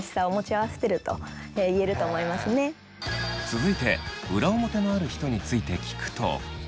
続いて裏表のある人について聞くと。